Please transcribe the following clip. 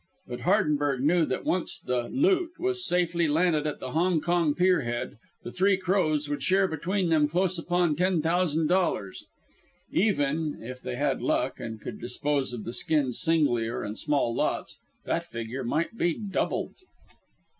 But Hardenberg knew that once the "loot" was safely landed at the Hongkong pierhead the Three Crows would share between them close upon ten thousand dollars. Even if they had luck, and could dispose of the skins singly or in small lots that figure might be doubled.